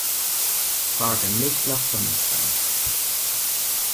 Frage nicht nach Sonnenschein.